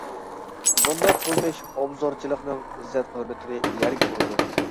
بۇنداق قىلمىش ئوبزورچىلىقنىڭ ئىززەت-ھۆرمىتىنى يەرگە ئۇرىدۇ.